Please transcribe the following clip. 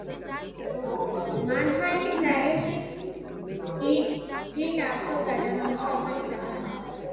მანჰაიმის რაიონში დიდი ნავთობგადასამუშავებელი ქარხანაა.